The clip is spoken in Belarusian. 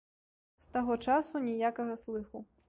З таго часу ніякага слыху.